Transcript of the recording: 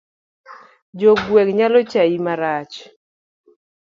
Jo gweng' nyalo chai marach.